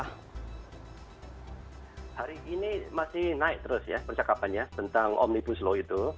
hari ini masih naik terus ya percakapannya tentang omnibus law itu